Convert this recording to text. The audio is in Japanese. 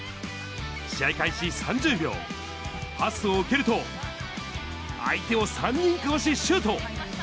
試合開始３０秒、パスを受けると、相手を３人かわしシュート。